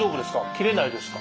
切れないですか？